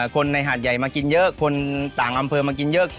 คนในหาดใหญ่มากินเยอะคนต่างอำเภอมากินเยอะ